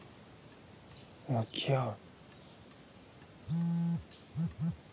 「向き合う」。